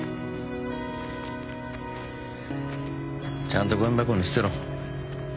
ちゃんとごみ箱に捨てろ